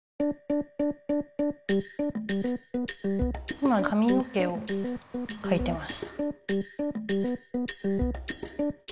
今かみの毛をかいてます。